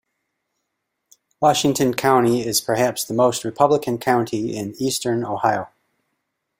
Washington county is perhaps the most Republican county in eastern Ohio.